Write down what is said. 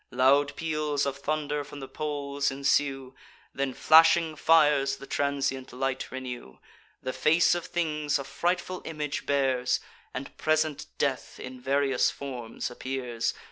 Loud peals of thunder from the poles ensue; Then flashing fires the transient light renew; The face of things a frightful image bears, And present death in various forms appears.